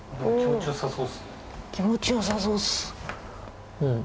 気持ちよさそうっす。